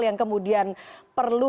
yang kemudian perlu